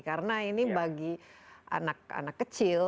karena ini bagi anak anak kecil